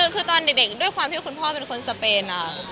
คือความที่สามารถพ่อเป็นคนสเปน